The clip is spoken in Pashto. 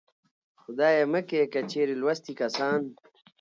خدايه مکې که چېرې لوستي کسان